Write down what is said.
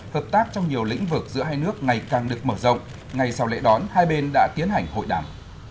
hợp tác trong nhiều lĩnh vực giữa hai nước ngày càng được mở rộng ngay sau lễ đón hai bên đã tiến hành hội đảng